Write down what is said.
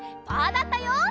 パーだったよ！